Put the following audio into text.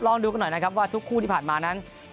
ลองดูกันหน่อยนะครับว่าทุกคู่ที่ผ่านมานั้น